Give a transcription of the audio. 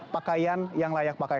pakaian yang layak pakai